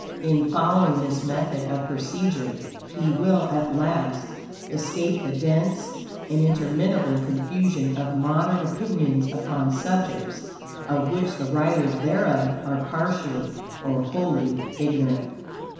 In following this method of procedure he will, at least, escape the dense and interminable confusion of modern opinions upon subjects of which the writers thereof, are partially or wholly ignorant.